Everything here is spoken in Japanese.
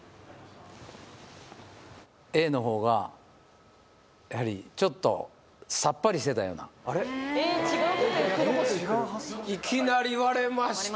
Ａの方がやはりちょっとさっぱりしてたようないきなり割れました